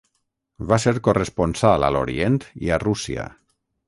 Va ser corresponsal a l’Orient i a Rússia.